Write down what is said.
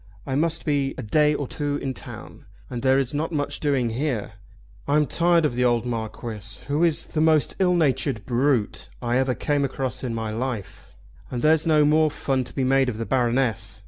I must be a day or two in town, and there is not much doing here. I'm tired of the old Marquis who is the most illnatured brute I ever came across in my life, and there's no more fun to be made of the Baroness.